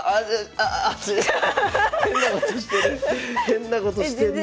変なことしてる。